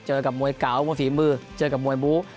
กับมวยเก่ามวยฝีมือเจอกับมวยบู๊